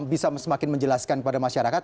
bisa semakin menjelaskan kepada masyarakat